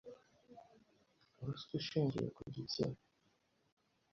ruswa ishingiye ku gitsina